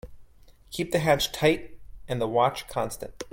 Keep the hatch tight and the watch constant.